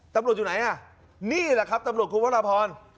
ตำรวจอยู่ไหนอ่ะนี่แหละครับตำรวจคุณพระราพร